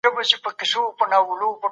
د ارادې درناوی د نارينه او ښځو مشترک حق دی.